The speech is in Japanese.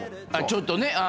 ちょっとね。